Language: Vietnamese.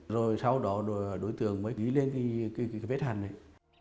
rồi sau đó đối tượng mới ghi lên cái vết hàn này